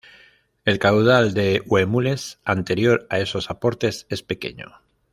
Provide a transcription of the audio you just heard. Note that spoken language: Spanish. El caudal del Huemules anterior a esos aportes es pequeño.